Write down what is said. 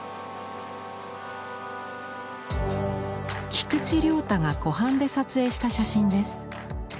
菊地良太が湖畔で撮影した写真です。